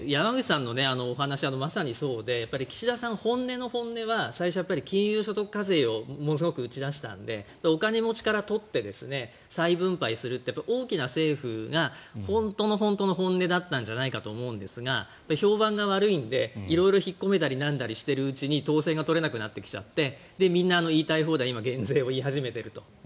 山口さんのお話、まさにそうで岸田さん、本音の本音は最初は金融所得課税を打ち出したのでお金持ちからとって再分配するって大きな政府が本当の本当の本音だったんじゃないかと思うんですが評判が悪いので色々引っ込めたりしているうちに統制が取れなくなってみんな言いたい放題減税を言い始めていると。